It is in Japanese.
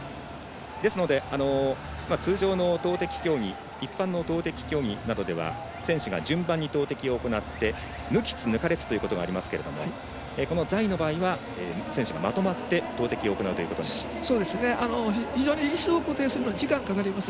ですので、通常の投てき競技一般の投てき競技などでは選手が順番に投てきを行って抜きつ抜かれつということがありますけれどもこの座位の場合は選手がまとまって投てきを行うことになります。